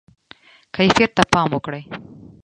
کیفیت ته پام وکړئ